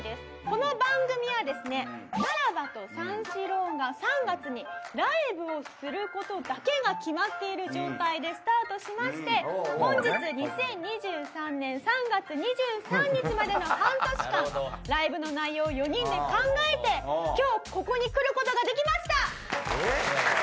この番組はですねさらばと三四郎が３月にライブをする事だけが決まっている状態でスタートしまして本日２０２３年３月２３日までの半年間ライブの内容を４人で考えて今日ここに来る事ができました！